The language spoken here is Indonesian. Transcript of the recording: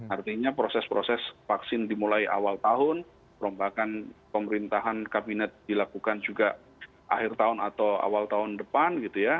artinya proses proses vaksin dimulai awal tahun perombakan pemerintahan kabinet dilakukan juga akhir tahun atau awal tahun depan gitu ya